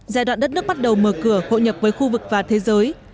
giai đoạn đất nước bắt đầu mở cửa hội nhập với khu vực và thế giới